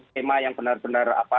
skema yang benar benar apa